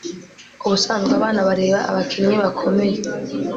Ubusanzwe abana bareba abakinnyi bakomeye